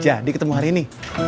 jadi ketemu hari ini